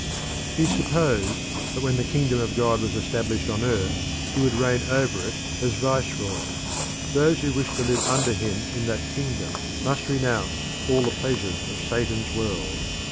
He supposed that when the kingdom of God was established on earth he would reign over it as viceroy. Those who wished to live under him in that kingdom must renounce all the pleasures of Satan's world.